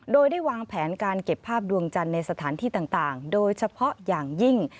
โดยได้วางแผนการเก็บภาพดวงจันทร์ในสถานที่ต่างโดยเฉพาะอย่างยิ่ง